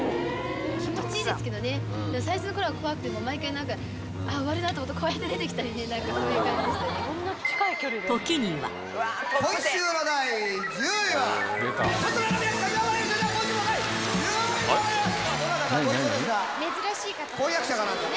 気持ちいいですけどね、最初のころは怖くて、毎回、なんか、ああ、終わるなと思うと、こうやって出てきたりね、なんか大変でしたね。